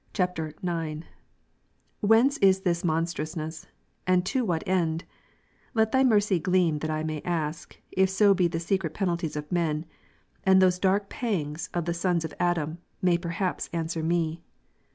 ] 21. Whence is this monstrousness ? and to what end ? Let Thy mercy gleam that I may ask, if so be the secret penalties of men, and those darkest pangs of the sons of Adam, may perhaps answer me.